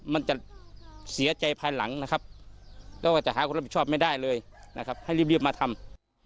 มันจะเสียใจภายหลังนะครับแล้วก็จะหาคนรับผิดชอบไม่ได้เลยนะครับให้รีบมาทำ